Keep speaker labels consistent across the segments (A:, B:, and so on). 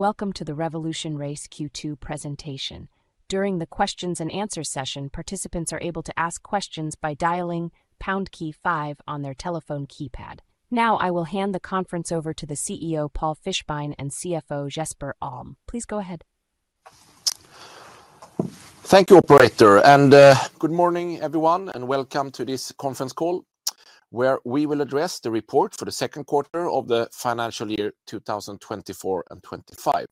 A: Welcome to the RevolutionRace Q2 presentation. During the Q&A session, participants are able to ask questions by dialing pound key five on their telephone keypad. Now, I will hand the conference over to the CEO Paul Fischbein and CFO Jesper Alm. Please go ahead.
B: Thank you, Operator, and good morning, everyone, and welcome to this conference call, where we will address the report for the second quarter of the financial year 2024-25.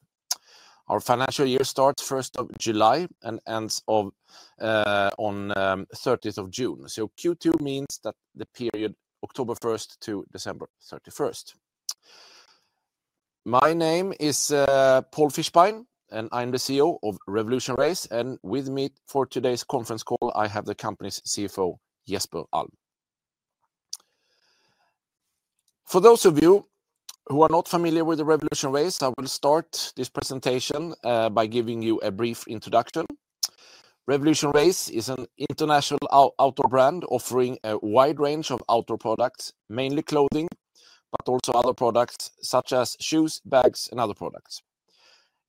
B: Our financial year starts 1st of July and ends on 30th of June. So Q2 means that the period is October 1st to December 31st. My name is Paul Fischbein, and I'm the CEO of RevolutionRace. And with me for today's conference call, I have the company's CFO, Jesper Alm. For those of you who are not familiar with the RevolutionRace, I will start this presentation by giving you a brief introduction. RevolutionRace is an international outdoor brand offering a wide range of outdoor products, mainly clothing, but also other products such as shoes, bags, and other products.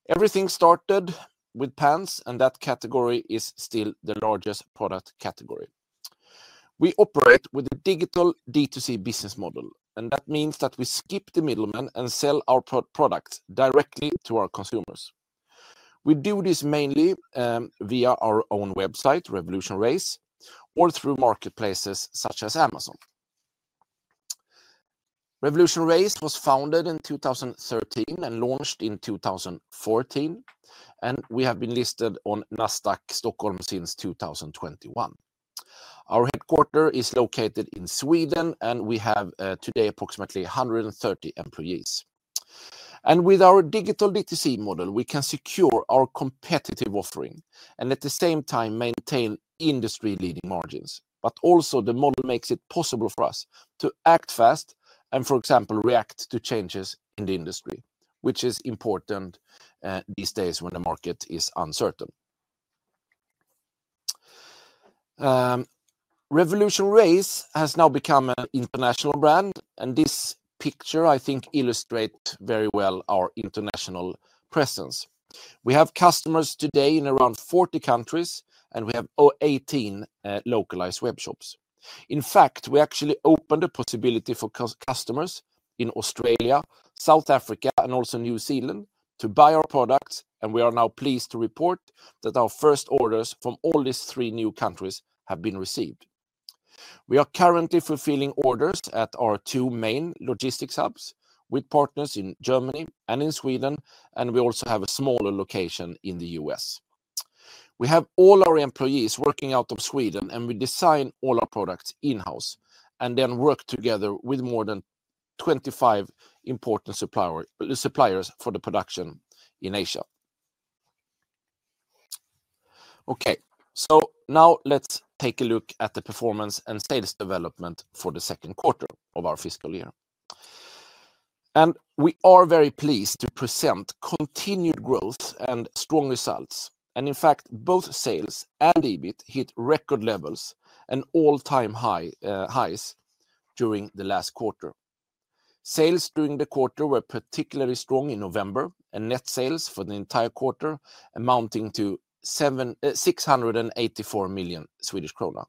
B: Everything started with pants, and that category is still the largest product category. We operate with a digital D2C business model, and that means that we skip the middlemen and sell our products directly to our consumers. We do this mainly via our own website, RevolutionRace, or through marketplaces such as Amazon. RevolutionRace was founded in 2013 and launched in 2014, and we have been listed on Nasdaq Stockholm since 2021. Our headquarters is located in Sweden, and we have today approximately 130 employees. With our digital D2C model, we can secure our competitive offering and at the same time maintain industry-leading margins. Also, the model makes it possible for us to act fast and, for example, react to changes in the industry, which is important these days when the market is uncertain. RevolutionRace has now become an international brand, and this picture, I think, illustrates very well our international presence. We have customers today in around 40 countries, and we have 18 localized web shops. In fact, we actually opened the possibility for customers in Australia, South Africa, and also New Zealand to buy our products, and we are now pleased to report that our first orders from all these three new countries have been received. We are currently fulfilling orders at our two main logistics hubs with partners in Germany and in Sweden, and we also have a smaller location in the US. We have all our employees working out of Sweden, and we design all our products in-house and then work together with more than 25 important suppliers for the production in Asia. Okay, so now let's take a look at the performance and sales development for the second quarter of our fiscal year, and we are very pleased to present continued growth and strong results. And in fact, both sales and EBIT hit record levels and all-time high during the last quarter. Sales during the quarter were particularly strong in November, and net sales for the entire quarter amounting to 7,684 million Swedish krona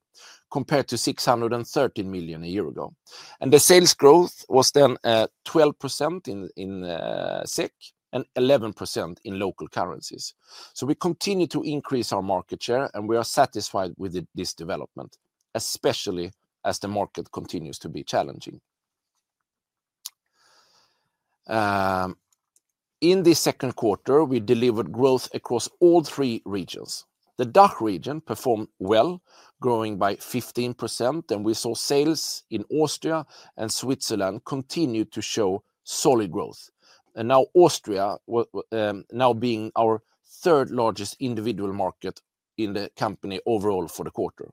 B: compared to 613 million SEK a year ago. And the sales growth was 12% in SEK and 11% in local currencies. So we continue to increase our market share, and we are satisfied with this development, especially as the market continues to be challenging. In this second quarter, we delivered growth across all three regions. The DACH region performed well, growing by 15%, and we saw sales in Austria and Switzerland continue to show solid growth. And Austria, now being our third-largest individual market in the company overall for the quarter.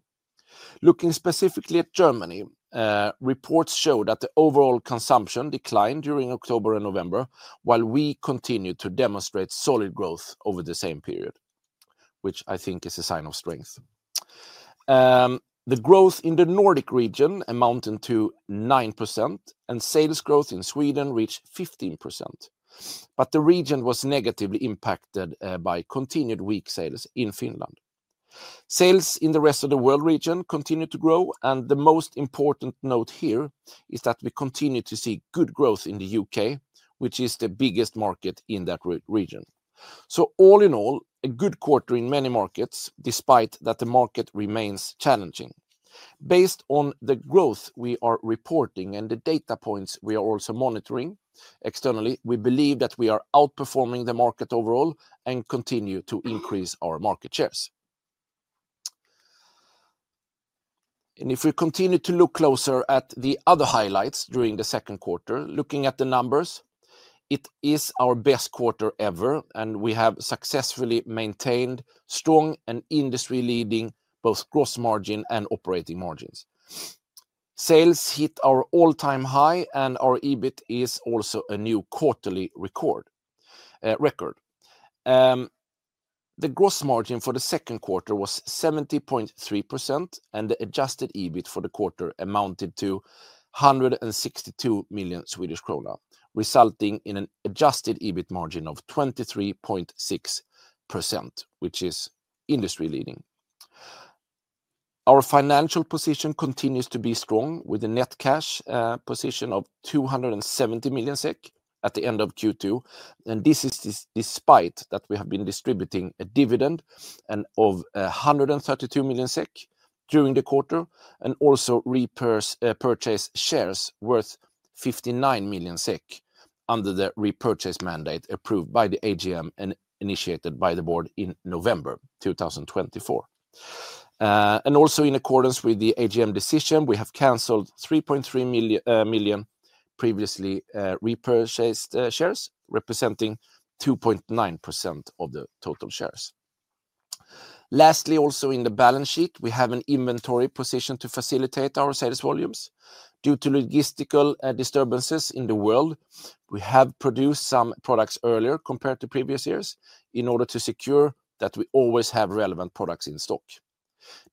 B: Looking specifically at Germany, reports show that the overall consumption declined during October and November, while we continued to demonstrate solid growth over the same period, which I think is a sign of strength. The growth in the Nordic region amounted to 9%, and sales growth in Sweden reached 15%. But the region was negatively impacted by continued weak sales in Finland. Sales in the rest of the world region continued to grow, and the most important note here is that we continue to see good growth in the U.K., which is the biggest market in that region. So all in all, a good quarter in many markets, despite that the market remains challenging. Based on the growth we are reporting and the data points we are also monitoring externally, we believe that we are outperforming the market overall and continue to increase our market shares. If we continue to look closer at the other highlights during the second quarter, looking at the numbers, it is our best quarter ever, and we have successfully maintained strong and industry-leading both gross margin and operating margins. Sales hit our all-time high, and our EBIT is also a new quarterly record. The gross margin for the second quarter was 70.3%, and the adjusted EBIT for the quarter amounted to 162 million Swedish krona, resulting in an adjusted EBIT margin of 23.6%, which is industry-leading. Our financial position continues to be strong with a net cash position of 270 million SEK at the end of Q2. And this is despite that we have been distributing a dividend of 132 million SEK during the quarter and also repurchased shares worth 59 million SEK under the repurchase mandate approved by the AGM and initiated by the board in November 2024. And also in accordance with the AGM decision, we have canceled 3.3 million previously repurchased shares, representing 2.9% of the total shares. Lastly, also in the balance sheet, we have an inventory position to facilitate our sales volumes. Due to logistical disturbances in the world, we have produced some products earlier compared to previous years in order to secure that we always have relevant products in stock.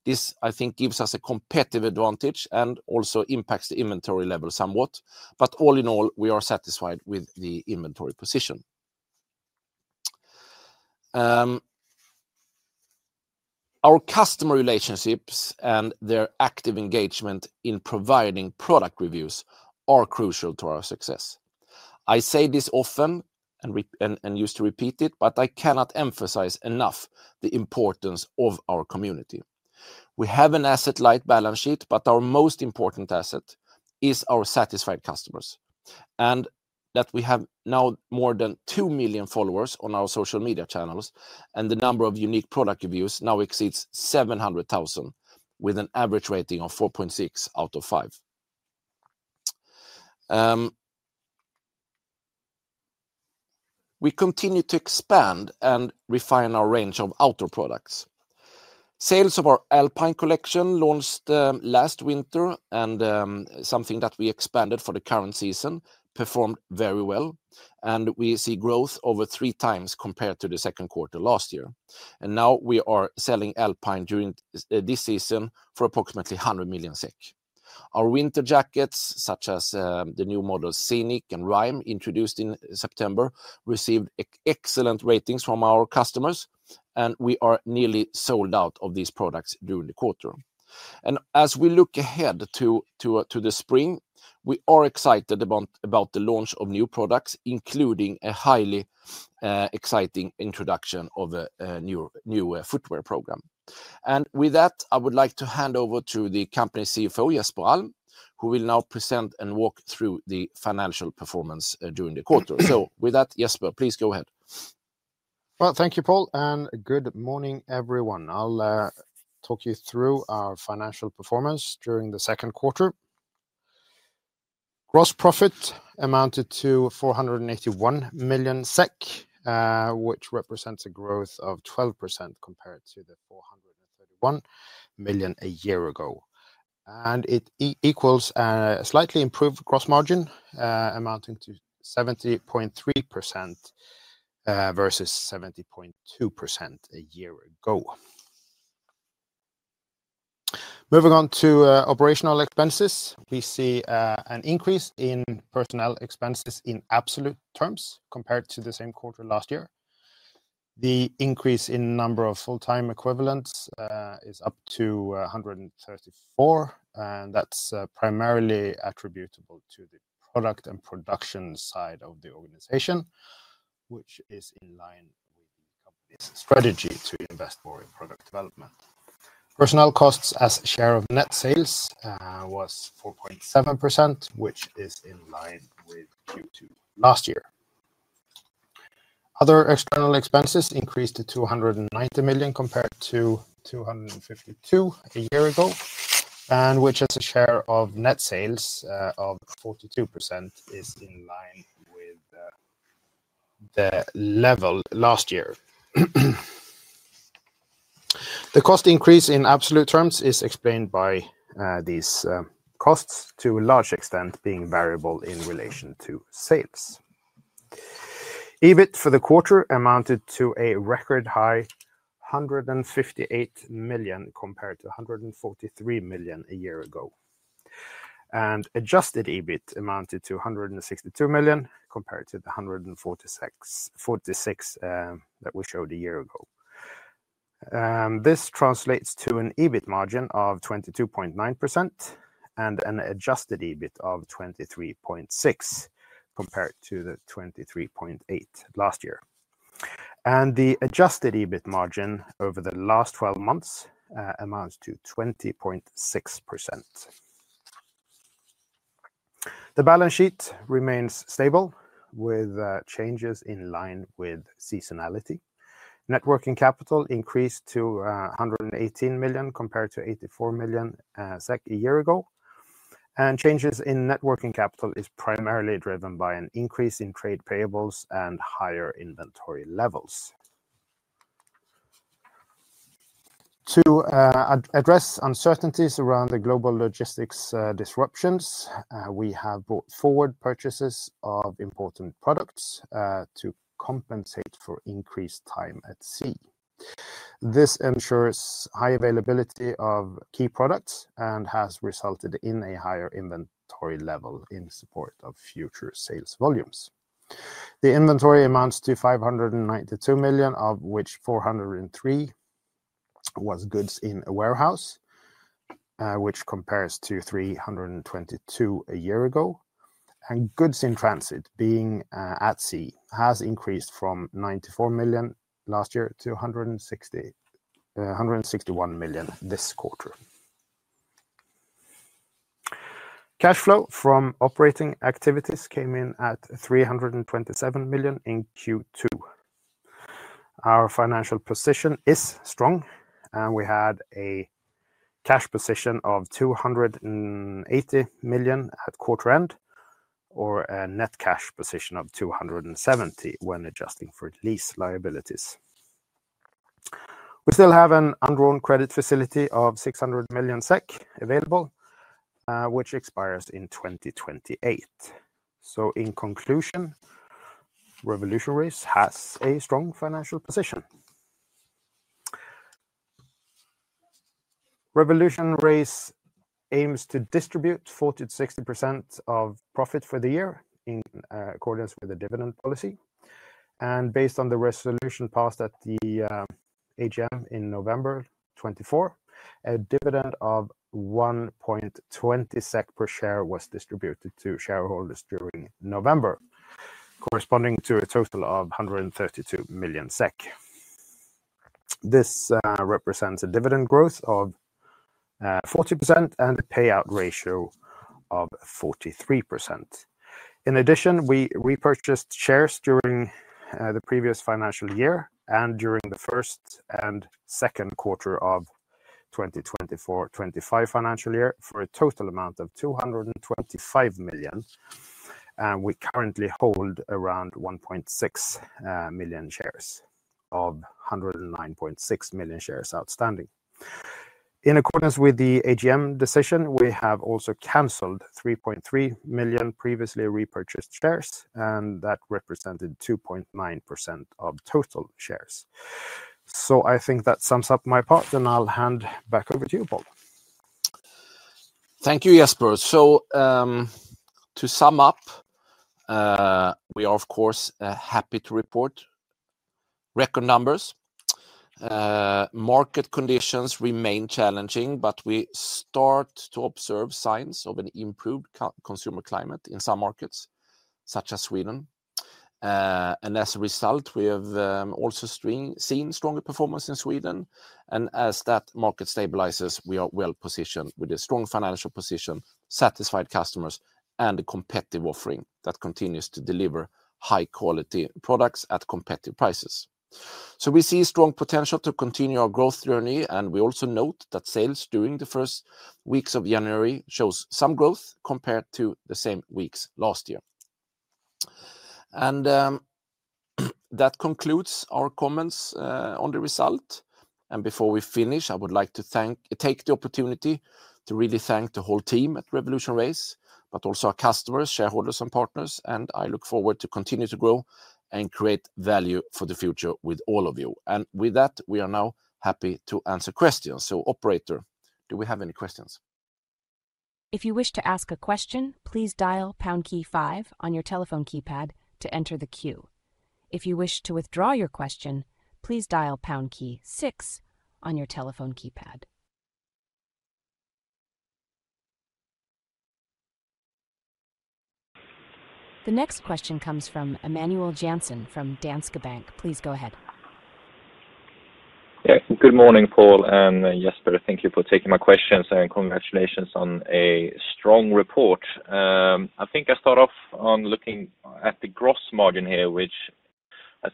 B: This, I think, gives us a competitive advantage and also impacts the inventory level somewhat. But all in all, we are satisfied with the inventory position. Our customer relationships and their active engagement in providing product reviews are crucial to our success. I say this often and used to repeat it, but I cannot emphasize enough the importance of our community. We have an asset-light balance sheet, but our most important asset is our satisfied customers. And that we have now more than 2 million followers on our social media channels, and the number of unique product reviews now exceeds 700,000, with an average rating of 4.6 out of 5. We continue to expand and refine our range of outdoor products. Sales of our Alpine collection launched last winter, and something that we expanded for the current season performed very well. And we see growth over three times compared to the second quarter last year. And now we are selling Alpine during this season for approximately 100 million SEK. Our winter jackets, such as the new models Scenic and Rime introduced in September, received excellent ratings from our customers, and we are nearly sold out of these products during the quarter. As we look ahead to the spring, we are excited about the launch of new products, including a highly exciting introduction of a new footwear program. With that, I would like to hand over to the company's CFO, Jesper Alm, who will now present and walk through the financial performance during the quarter. With that, Jesper, please go ahead.
C: Thank you, Paul, and good morning, everyone. I'll talk you through our financial performance during the second quarter. Gross profit amounted to 481 million SEK, which represents a growth of 12% compared to the 431 million a year ago. It equals a slightly improved gross margin, amounting to 70.3%, versus 70.2% a year ago. Moving on to operational expenses, we see an increase in personnel expenses in absolute terms compared to the same quarter last year. The increase in number of full-time equivalents is up to 134, and that's primarily attributable to the product and production side of the organization, which is in line with the company's strategy to invest more in product development. Personnel costs as share of net sales was 4.7%, which is in line with Q2 last year. Other external expenses increased to 290 million SEK compared to 252 million SEK a year ago, and which has a share of net sales of 42%, is in line with the level last year. The cost increase in absolute terms is explained by these costs to a large extent being variable in relation to sales. EBIT for the quarter amounted to a record high 158 million SEK compared to 143 million SEK a year ago. Adjusted EBIT amounted to 162 million SEK compared to the 146 that we showed a year ago. This translates to an EBIT margin of 22.9% and an adjusted EBIT of 23.6% compared to the 23.8% last year. The adjusted EBIT margin over the last 12 months amounts to 20.6%. The balance sheet remains stable with changes in line with seasonality. Net working capital increased to 118 million SEK compared to 84 million SEK a year ago. Changes in net working capital is primarily driven by an increase in trade payables and higher inventory levels. To address uncertainties around the global logistics disruptions, we have brought forward purchases of important products to compensate for increased time at sea. This ensures high availability of key products and has resulted in a higher inventory level in support of future sales volumes. The inventory amounts to 592 million, of which 403 million was goods in a warehouse, which compares to 322 million a year ago. Goods in transit being at sea has increased from 94 million last year to 161 million this quarter. Cash flow from operating activities came in at 327 million in Q2. Our financial position is strong, and we had a cash position of 280 million at quarter end, or a net cash position of 270 million when adjusting for lease liabilities. We still have an undrawn credit facility of 600 million SEK available, which expires in 2028. In conclusion, RevolutionRace has a strong financial position. RevolutionRace aims to distribute 40%-60% of profit for the year in accordance with the dividend policy. Based on the resolution passed at the AGM in November 2024, a dividend of 1.20 SEK per share was distributed to shareholders during November, corresponding to a total of 132 million SEK. This represents a dividend growth of 40% and a payout ratio of 43%. In addition, we repurchased shares during the previous financial year and during the first and second quarter of 2024-25 financial year for a total amount of 225 million SEK. We currently hold around 1.6 million shares of 109.6 million shares outstanding. In accordance with the AGM decision, we have also canceled 3.3 million previously repurchased shares, and that represented 2.9% of total shares. So I think that sums up my part, and I'll hand back over to you, Paul.
B: Thank you, Jesper. So, to sum up, we are, of course, happy to report record numbers. Market conditions remain challenging, but we start to observe signs of an improved consumer climate in some markets, such as Sweden. And as a result, we have, also seen stronger performance in Sweden. And as that market stabilizes, we are well positioned with a strong financial position, satisfied customers, and a competitive offering that continues to deliver high-quality products at competitive prices. So we see strong potential to continue our growth journey, and we also note that sales during the first weeks of January show some growth compared to the same weeks last year. That concludes our comments on the result. Before we finish, I would like to take the opportunity to really thank the whole team at RevolutionRace, but also our customers, shareholders, and partners. I look forward to continue to grow and create value for the future with all of you. With that, we are now happy to answer questions. Operator, do we have any questions?
A: If you wish to ask a question, please dial pound key five on your telephone keypad to enter the queue. If you wish to withdraw your question, please dial pound key six on your telephone keypad. The next question comes from Emmanuel Jensen from Danske Bank. Please go ahead.
D: Yeah, good morning, Paul and Jesper. Thank you for taking my questions and congratulations on a strong report. I think I start off on looking at the gross margin here, which has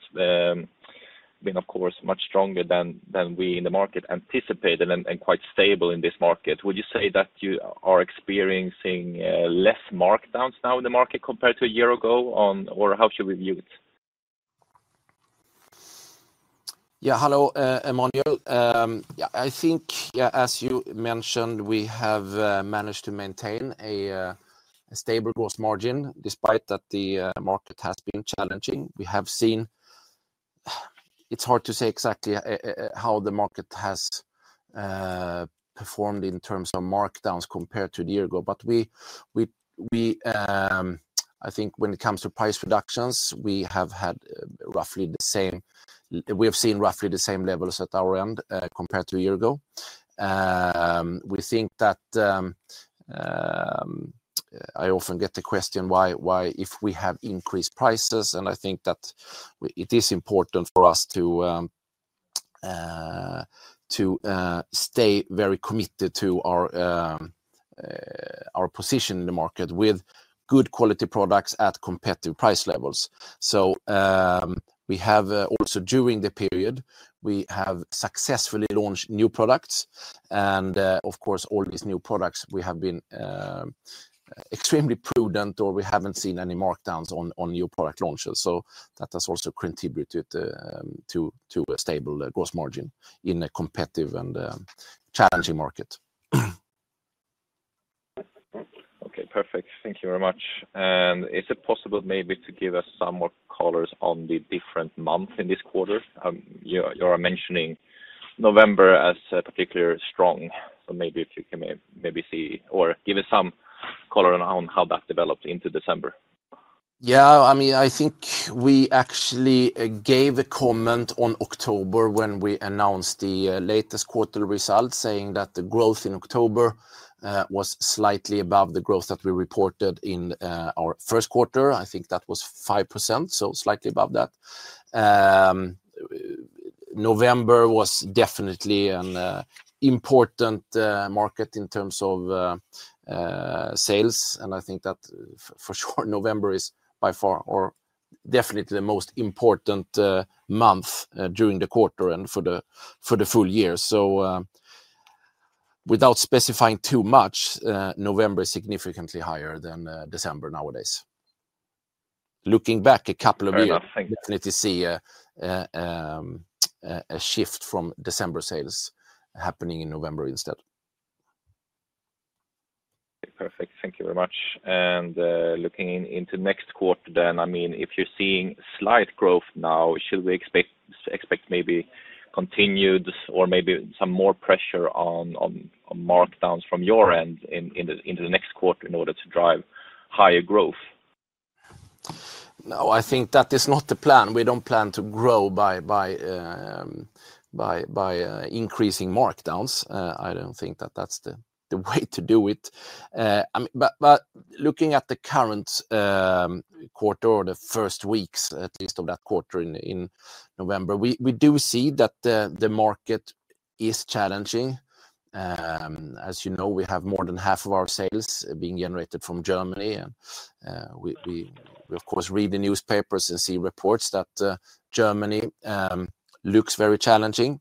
D: been, of course, much stronger than we in the market anticipated and quite stable in this market. Would you say that you are experiencing less markdowns now in the market compared to a year ago, or how should we view it?
B: Yeah, hello, Emmanuel. Yeah, I think, as you mentioned, we have managed to maintain a stable gross margin despite that the market has been challenging. We have seen. It's hard to say exactly how the market has performed in terms of markdowns compared to a year ago. But I think when it comes to price reductions, we have had roughly the same. We have seen roughly the same levels at our end, compared to a year ago. We think that I often get the question why if we have increased prices, and I think that it is important for us to stay very committed to our position in the market with good quality products at competitive price levels. So, we have also during the period successfully launched new products. Of course, all these new products, we have been extremely prudent, or we haven't seen any markdowns on new product launches. So that has also contributed to a stable gross margin in a competitive and challenging market.
D: Okay, perfect. Thank you very much. And is it possible maybe to give us some more colors on the different months in this quarter? You are mentioning November as a particularly strong. So maybe if you can maybe see or give us some color on how that developed into December.
B: Yeah, I mean, I think we actually gave a comment on October when we announced the latest quarter results, saying that the growth in October was slightly above the growth that we reported in our first quarter. I think that was 5%, so slightly above that. November was definitely an important market in terms of sales. And I think that for sure November is by far or definitely the most important month during the quarter and for the full year. So, without specifying too much, November is significantly higher than December nowadays. Looking back a couple of years, definitely see a shift from December sales happening in November instead.
D: Okay, perfect. Thank you very much. And, looking into next quarter then, I mean, if you're seeing slight growth now, should we expect maybe continued or maybe some more pressure on markdowns from your end into the next quarter in order to drive higher growth?
B: No, I think that is not the plan. We don't plan to grow by increasing markdowns. I don't think that that's the way to do it. I mean, but looking at the current quarter or the first weeks, at least of that quarter in November, we do see that the market is challenging. As you know, we have more than half of our sales being generated from Germany. And we of course read the newspapers and see reports that Germany looks very challenging.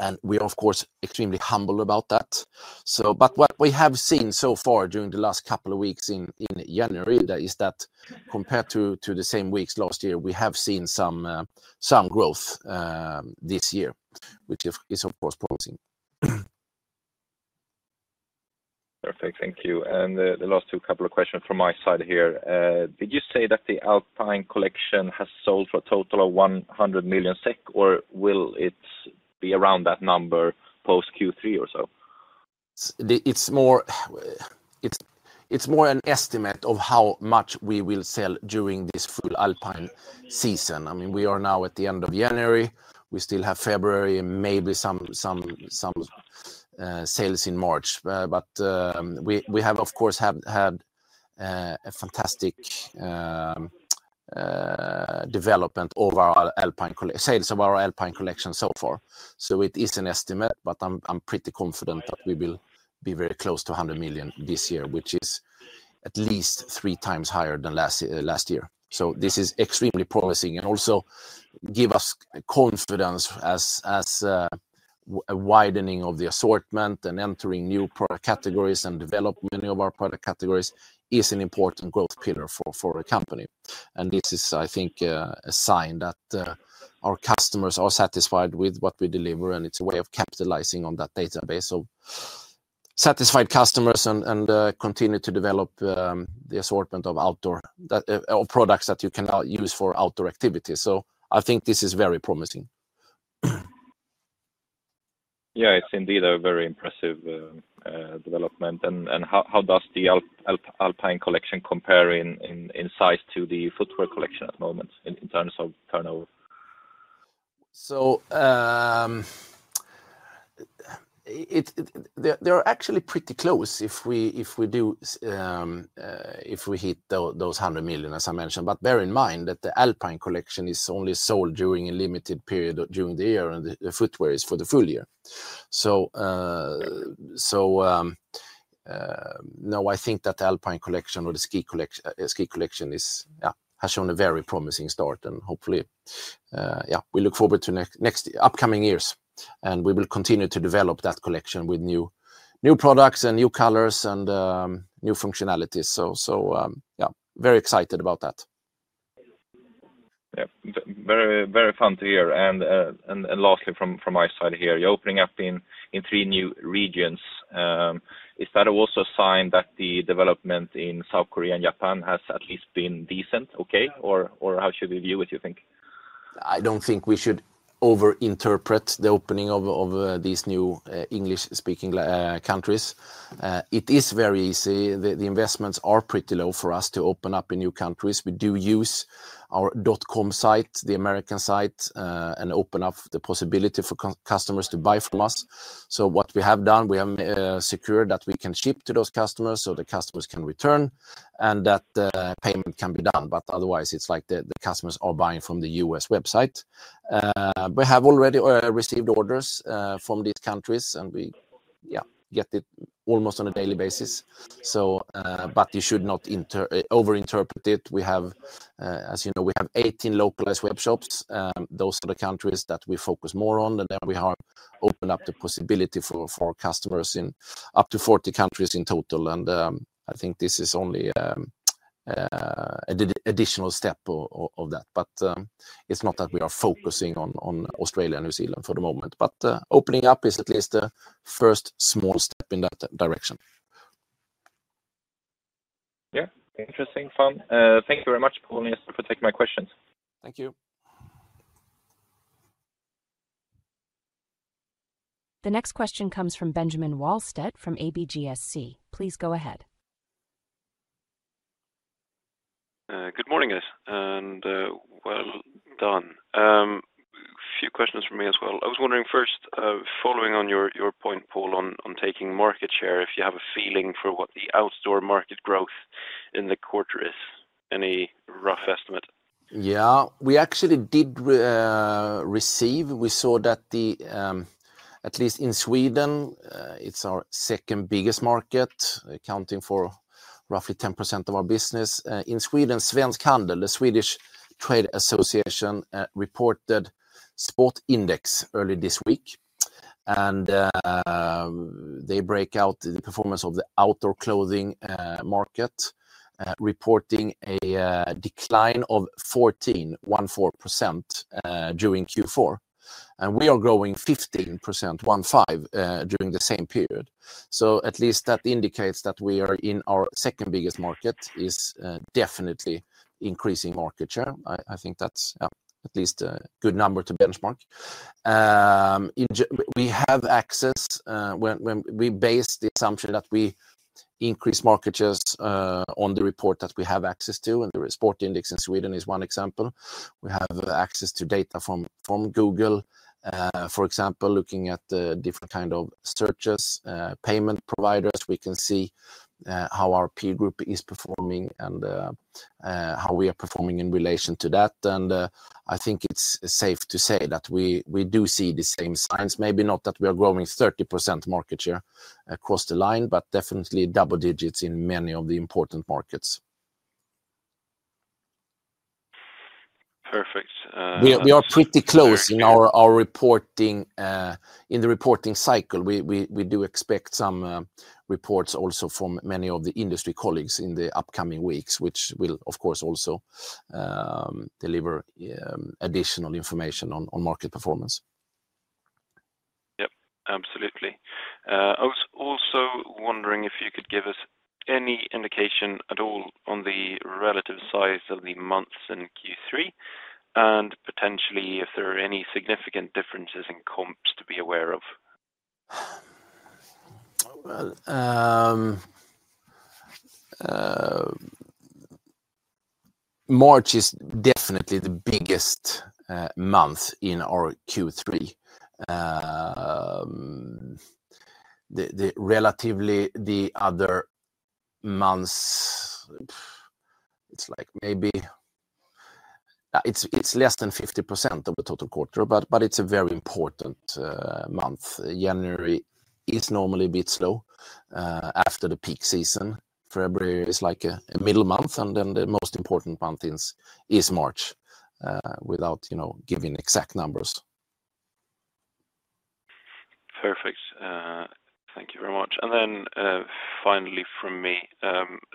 B: And we are of course extremely humble about that. But what we have seen so far during the last couple of weeks in January is that compared to the same weeks last year, we have seen some growth this year, which is of course promising.
D: Perfect. Thank you. And the last two couple of questions from my side here. Did you say that the Alpine collection has sold for a total of 100 million SEK, or will it be around that number post Q3 or so?
B: It's more an estimate of how much we will sell during this full Alpine season. I mean, we are now at the end of January. We still have February and maybe some sales in March. But we have of course had a fantastic development of our Alpine collection, sales of our Alpine collection so far. So it is an estimate, but I'm pretty confident that we will be very close to 100 million this year, which is at least three times higher than last year. So this is extremely promising and also gives us confidence as a widening of the assortment and entering new product categories and development of our product categories is an important growth pillar for a company. And this is, I think, a sign that our customers are satisfied with what we deliver. And it's a way of capitalizing on that database of satisfied customers and continue to develop the assortment of outdoor products that you can now use for outdoor activities. So I think this is very promising.
D: Yeah, it's indeed a very impressive development. And how does the Alpine collection compare in size to the footwear collection at the moment in terms of turnover?
B: They're actually pretty close if we hit those 100 million, as I mentioned. But bear in mind that the Alpine collection is only sold during a limited period during the year, and the footwear is for the full year. No, I think that the Alpine collection or the ski collection is, yeah, has shown a very promising start. Hopefully, yeah, we look forward to next upcoming years, and we will continue to develop that collection with new products and new colors and new functionalities. Yeah, very excited about that.
D: Yeah, very, very fun to hear. And lastly from my side here, you're opening up in three new regions. Is that also a sign that the development in South Korea and Japan has at least been decent? Okay. Or how should we view it, you think?
B: I don't think we should overinterpret the opening of these new English-speaking countries. It is very easy. The investments are pretty low for us to open up in new countries. We do use our .com site, the American site, and open up the possibility for customers to buy from us. So what we have done, we have secured that we can ship to those customers so the customers can return and that payment can be done. But otherwise, it's like the customers are buying from the US website. We have already received orders from these countries, and we get it almost on a daily basis. But you should not overinterpret it. As you know, we have 18 localized webshops. Those are the countries that we focus more on. And then we have opened up the possibility for our customers in up to 40 countries in total. And I think this is only an additional step of that. But it's not that we are focusing on Australia and New Zealand for the moment, but opening up is at least a first small step in that direction.
D: Yeah, interesting. Fun. Thank you very much, Paul, for taking my questions.
B: Thank you.
A: The next question comes from Benjamin Wahlstedt from ABG Sundal Collier. Please go ahead.
D: Good morning, guys. And well done. A few questions for me as well. I was wondering first, following on your point, Paul, on taking market share, if you have a feeling for what the outdoor market growth in the quarter is, any rough estimate?
B: Yeah, we actually did receive. We saw that at least in Sweden, it's our second biggest market, accounting for roughly 10% of our business. In Sweden, Svensk Handel, the Swedish Trade Association, reported spot index early this week. And they break out the performance of the outdoor clothing market, reporting a decline of 14% during Q4. And we are growing 15% during the same period. So at least that indicates that we are in our second biggest market definitely increasing market share. I think that's yeah, at least a good number to benchmark. And we have access when we base the assumption that we increase market shares on the report that we have access to, and the spot index in Sweden is one example. We have access to data from Google, for example, looking at different kind of searches, payment providers. We can see how our peer group is performing and how we are performing in relation to that. I think it's safe to say that we do see the same signs. Maybe not that we are growing 30% market share across the line, but definitely double digits in many of the important markets.
D: Perfect.
B: We are pretty close in our reporting, in the reporting cycle. We do expect some reports also from many of the industry colleagues in the upcoming weeks, which will of course also deliver additional information on market performance.
D: Yep. Absolutely. I was also wondering if you could give us any indication at all on the relative size of the months in Q3 and potentially if there are any significant differences in comps to be aware of?
B: March is definitely the biggest month in our Q3. The relatively other months, it's like maybe it's less than 50% of the total quarter, but it's a very important month. January is normally a bit slow after the peak season. February is like a middle month, and then the most important month is March, without you know giving exact numbers.
D: Perfect. Thank you very much. And then, finally from me,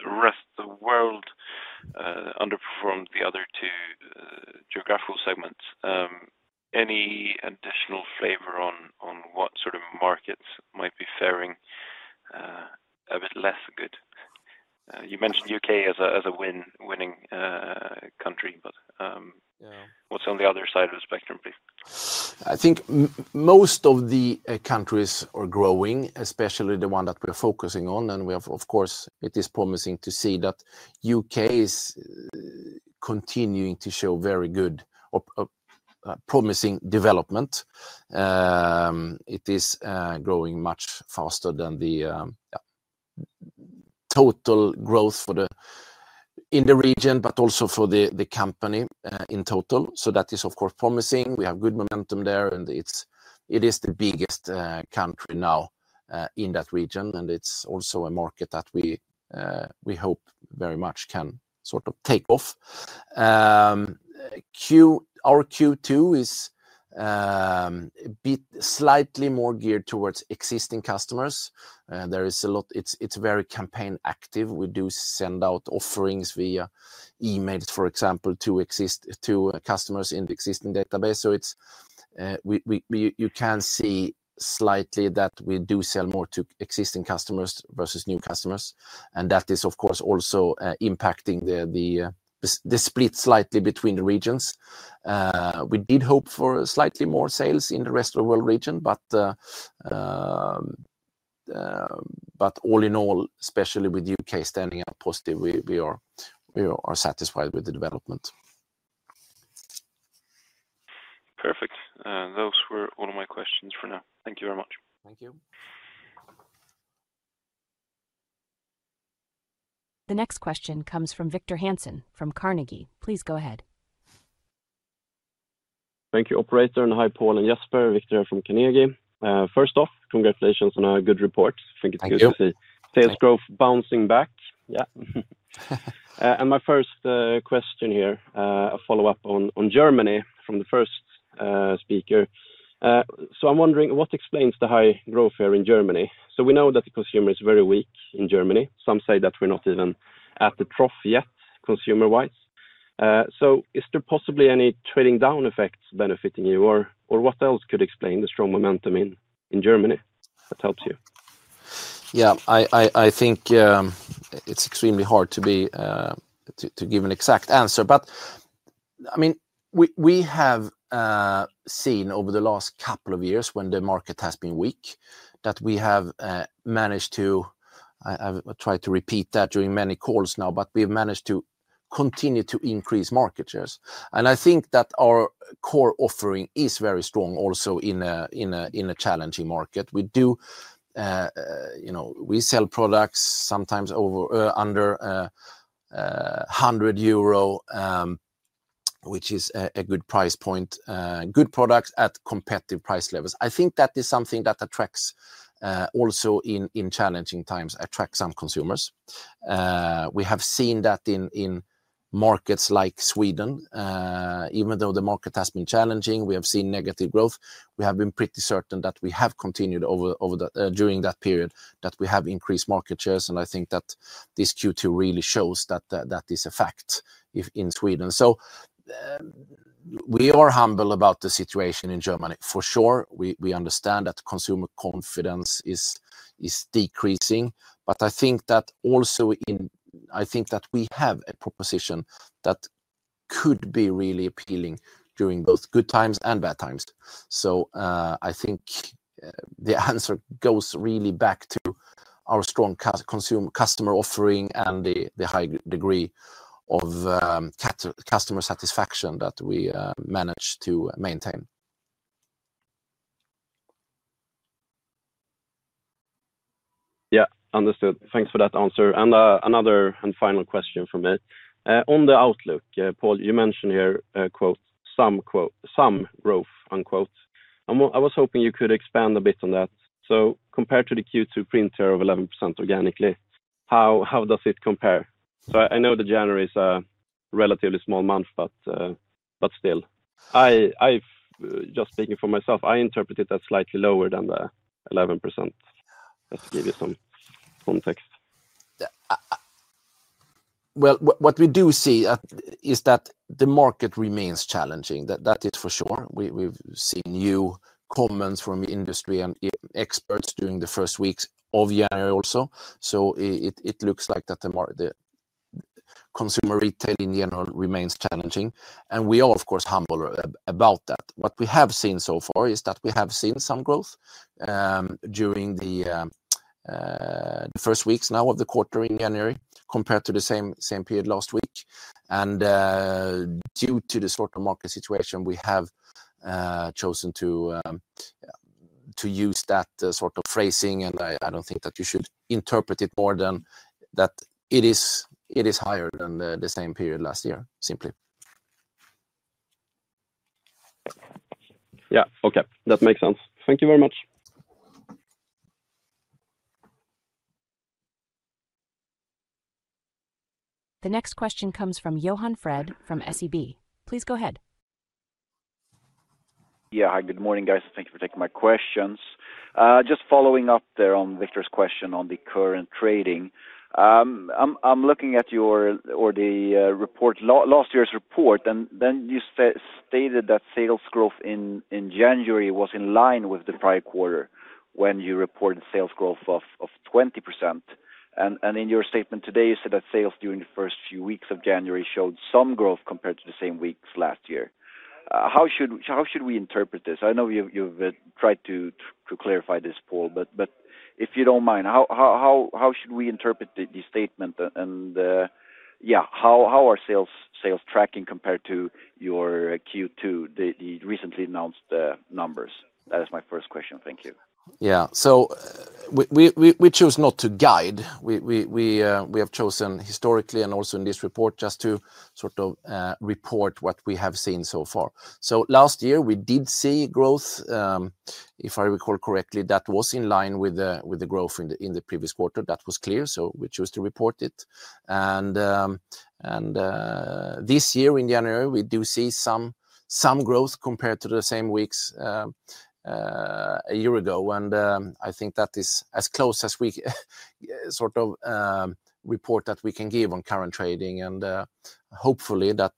D: rest of the world underperformed the other two geographical segments. Any additional flavor on what sort of markets might be faring a bit less good? You mentioned UK as a winning country, but what's on the other side of the spectrum, please?
B: I think most of the countries are growing, especially the one that we're focusing on. And we have, of course, it is promising to see that UK is continuing to show very good, promising development. It is growing much faster than the total growth for the region, but also for the company in total. So that is of course promising. We have good momentum there and it is the biggest country now in that region. And it's also a market that we hope very much can sort of take off. Our Q2 is a bit slightly more geared towards existing customers. There is a lot. It's very campaign active. We do send out offerings via emails, for example, to existing customers in the existing database. So it's you can see slightly that we do sell more to existing customers versus new customers. And that is of course also impacting the split slightly between the regions. We did hope for slightly more sales in the rest of the world region, but all in all, especially with U.K. standing out positive, we are satisfied with the development.
D: Perfect. Those were all of my questions for now. Thank you very much.
B: Thank you.
A: The next question comes from Victor Hansen from Carnegie. Please go ahead.
E: Thank you, operator. Hi, Paul and Jesper. Victor here from Carnegie. First off, congratulations on a good report. Think it's good to see sales growth bouncing back. Yeah. My first question here, a follow-up on Germany from the first speaker. I'm wondering what explains the high growth here in Germany? We know that the consumer is very weak in Germany. Some say that we're not even at the trough yet, consumer-wise. Is there possibly any trading down effects benefiting you or what else could explain the strong momentum in Germany that helps you?
B: Yeah, I think it's extremely hard to give an exact answer, but I mean, we have seen over the last couple of years when the market has been weak that we have managed to. I have tried to repeat that during many calls now, but we have managed to continue to increase market shares. And I think that our core offering is very strong also in a challenging market. We do, you know, we sell products sometimes over under 100 euro, which is a good price point, good products at competitive price levels. I think that is something that attracts also in challenging times some consumers. We have seen that in markets like Sweden, even though the market has been challenging, we have seen negative growth. We have been pretty certain that we have continued during that period that we have increased market shares. I think that this Q2 really shows that is a fact in Sweden. We are humble about the situation in Germany for sure. We understand that consumer confidence is decreasing, but I think we have a proposition that could be really appealing during both good times and bad times. I think the answer goes really back to our strong consumer customer offering and the high degree of customer satisfaction that we manage to maintain.
E: Yeah, understood. Thanks for that answer. And another and final question from me. On the outlook, Paul, you mentioned here, quote, some growth, unquote. I was hoping you could expand a bit on that. So compared to the Q2 print here of 11% organically, how does it compare? So I know that January is a relatively small month, but still, I just speaking for myself, I interpreted that slightly lower than the 11%. Just to give you some context.
B: What we do see is that the market remains challenging. That is for sure. We've seen new comments from industry and experts during the first weeks of January also. It looks like the consumer retail in general remains challenging. We are of course humble about that. What we have seen so far is that we have seen some growth during the first weeks now of the quarter in January compared to the same period last year. Due to the sort of market situation, we have chosen to use that sort of phrasing. I don't think that you should interpret it more than that it is higher than the same period last year, simply.
E: Yeah. Okay. That makes sense. Thank you very much.
A: The next question comes from Johan Fred from SEB. Please go ahead.
F: Yeah. Hi, good morning, guys. And thank you for taking my questions. Just following up there on Victor's question on the current trading. I'm looking at your or the report, last year's report, and then you stated that sales growth in January was in line with the prior quarter when you reported sales growth of 20%. And in your statement today, you said that sales during the first few weeks of January showed some growth compared to the same weeks last year. How should we interpret this? I know you've tried to clarify this, Paul, but if you don't mind, how should we interpret the statement? And, yeah, how are sales tracking compared to your Q2, the recently announced numbers? That is my first question. Thank you.
B: Yeah. So we chose not to guide. We have chosen historically and also in this report just to sort of report what we have seen so far. So last year we did see growth, if I recall correctly, that was in line with the growth in the previous quarter. That was clear. So we chose to report it. And this year in January, we do see some growth compared to the same weeks a year ago. And I think that is as close as we sort of report that we can give on current trading. And hopefully that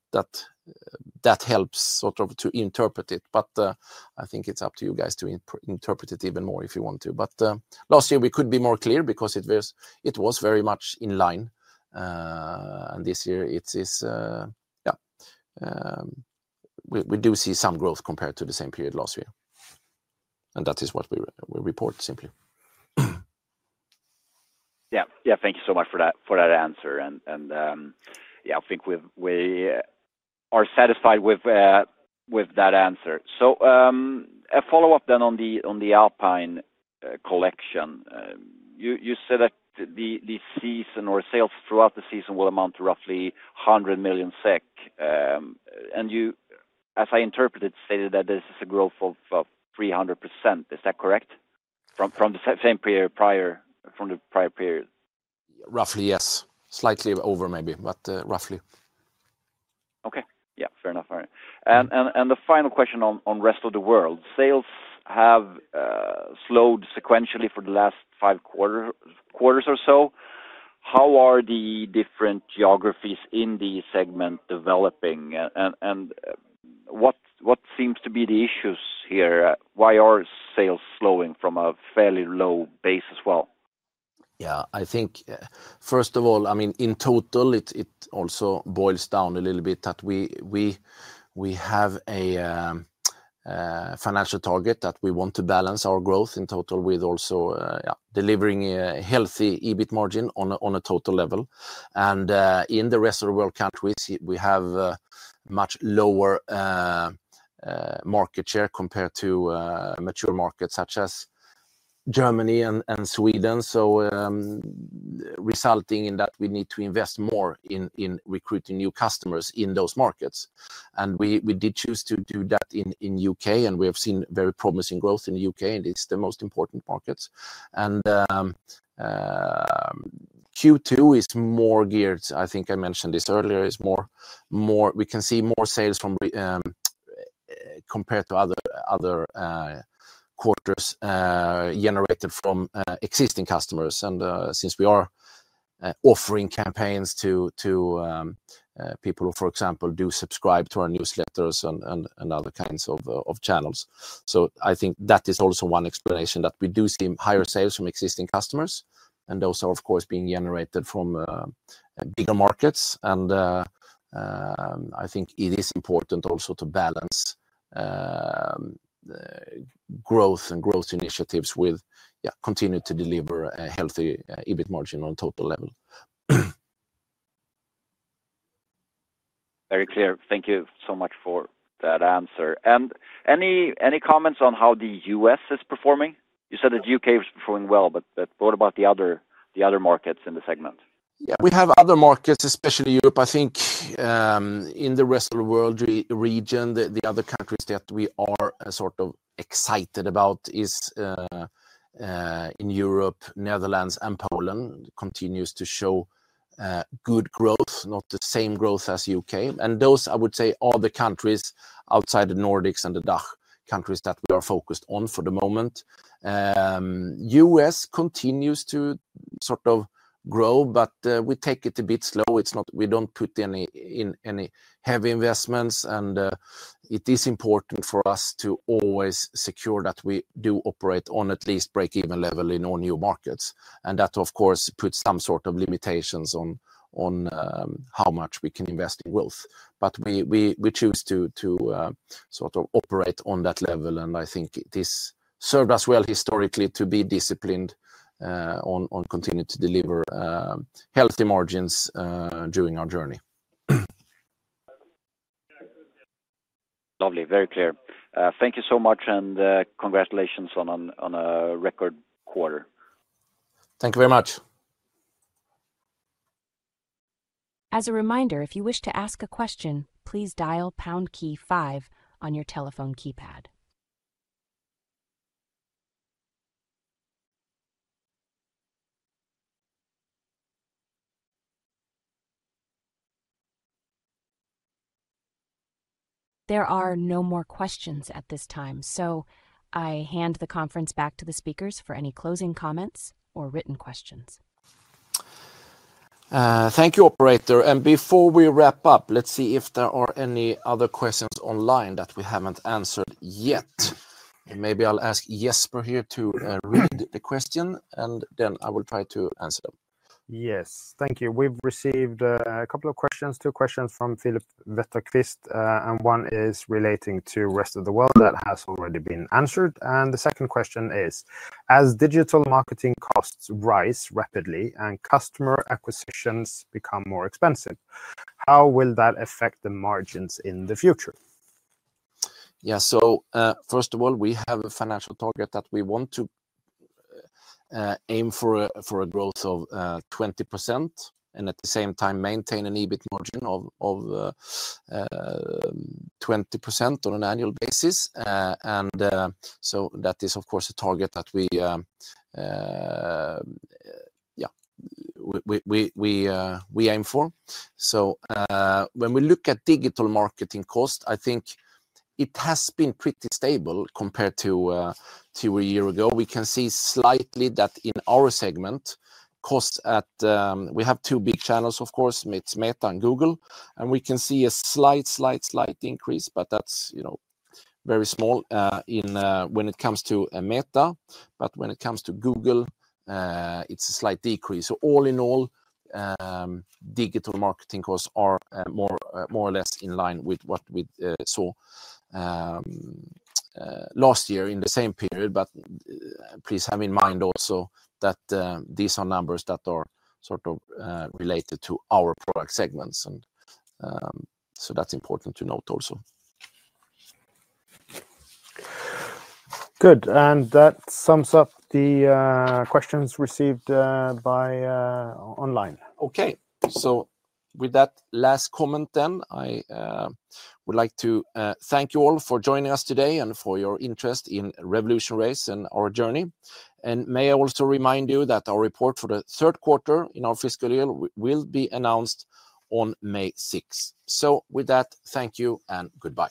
B: helps sort of to interpret it. But I think it's up to you guys to interpret it even more if you want to. But last year we could be more clear because it was very much in line. And this year it is. Yeah, we do see some growth compared to the same period last year. And that is what we report simply.
F: Yeah. Thank you so much for that answer. And yeah, I think we are satisfied with that answer. So, a follow-up then on the Alpine collection. You said that the season or sales throughout the season will amount to roughly 100 million SEK. And you, as I interpreted, stated that this is a growth of 300%. Is that correct? From the same period prior, from the prior period?
B: Roughly, yes. Slightly over, maybe, but roughly.
F: Okay. Yeah. Fair enough. All right. And the final question on rest of the world. Sales have slowed sequentially for the last five quarters or so. How are the different geographies in the segment developing? And what seems to be the issues here? Why are sales slowing from a fairly low base as well?
B: Yeah. I think first of all, I mean, in total, it also boils down a little bit that we have a financial target that we want to balance our growth in total with also, yeah, delivering a healthy EBIT margin on a total level. In the rest of the world countries, we have a much lower market share compared to mature markets such as Germany and Sweden. So, resulting in that we need to invest more in recruiting new customers in those markets. We did choose to do that in UK and we have seen very promising growth in the UK and it's the most important markets. Q2 is more geared, I think I mentioned this earlier, is more we can see more sales from, compared to other quarters, generated from existing customers. Since we are offering campaigns to people who, for example, do subscribe to our newsletters and other kinds of channels. I think that is also one explanation that we do see higher sales from existing customers. Those are of course being generated from bigger markets. I think it is important also to balance growth and growth initiatives with continue to deliver a healthy EBIT margin on a total level.
F: Very clear. Thank you so much for that answer, and any comments on how the U.S. is performing? You said that U.K. was performing well, but what about the other markets in the segment?
B: Yeah, we have other markets, especially Europe. I think, in the rest of the world region, the other countries that we are sort of excited about is in Europe, Netherlands and Poland continues to show good growth, not the same growth as U.K. Those, I would say, are the countries outside the Nordics and the DACH countries that we are focused on for the moment. U.S. continues to sort of grow, but we take it a bit slow. It's not, we don't put any heavy investments. It is important for us to always secure that we do operate on at least break-even level in all new markets. That of course puts some sort of limitations on how much we can invest in growth. But we choose to sort of operate on that level. I think it is served us well historically to be disciplined on continuing to deliver healthy margins during our journey.
F: Lovely. Very clear. Thank you so much, and congratulations on a record quarter.
B: Thank you very much.
A: As a reminder, if you wish to ask a question, please dial pound key five on your telephone keypad. There are no more questions at this time, so I hand the conference back to the speakers for any closing comments or written questions.
B: Thank you, operator. And before we wrap up, let's see if there are any other questions online that we haven't answered yet. And maybe I'll ask Jesper here to read the question and then I will try to answer them.
C: Yes. Thank you. We've received a couple of questions, two questions from Philip Fagerqvist, and one is relating to rest of the world that has already been answered, and the second question is, as digital marketing costs rise rapidly and customer acquisitions become more expensive, how will that affect the margins in the future?
B: Yeah. So, first of all, we have a financial target that we want to aim for, for a growth of 20% and at the same time maintain an EBIT margin of 20% on an annual basis. So that is of course a target that we aim for. So, when we look at digital marketing costs, I think it has been pretty stable compared to a year ago. We can see slightly that in our segment costs. We have two big channels, of course, it's Meta and Google, and we can see a slight increase, but that's, you know, very small when it comes to Meta. But when it comes to Google, it's a slight decrease. All in all, digital marketing costs are more or less in line with what we saw last year in the same period. Please have in mind also that these are numbers that are sort of related to our product segments. That's important to note also.
C: Good. And that sums up the questions received by online.
B: Okay. So with that last comment then, I would like to thank you all for joining us today and for your interest in RevolutionRace and our journey. May I also remind you that our report for the third quarter in our fiscal year will be announced on May 6th. With that, thank you and goodbye.